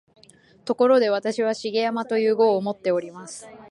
ところで、私は「重山」という号をもっております